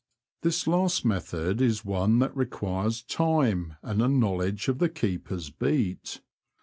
This last method is one that re quires time and a knowledge of the keeper's beat.